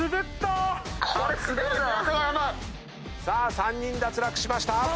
さあ３人脱落しました。